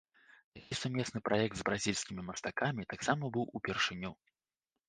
Такі сумесны праект з бразільскімі мастакамі таксама быў упершыню.